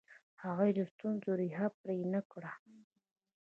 هغوی د ستونزو ریښه پرې نه کړه.